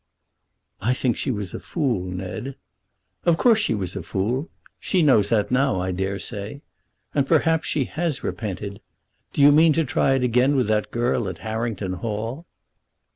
"I think she was a fool, Ned." "Of course she was a fool. She knows that now, I dare say. And perhaps she has repented. Do you mean to try it again with that girl at Harrington Hall?"